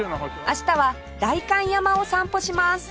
明日は代官山を散歩します